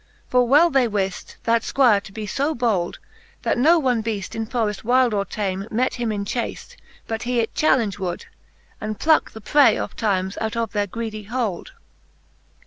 For well they wift, that Squire to be fo bold. That no one beaft in forreft wylde or tame Met him in chafe, but he it challenge would. And plucke the pray oftimes out of their greedy hould.